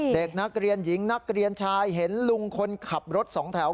เด็กนักเรียนหญิงนักเรียนชายเห็นลุงคนขับรถสองแถว